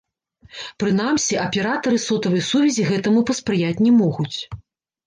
Прынамсі, аператары сотавай сувязі гэтаму паспрыяць не могуць.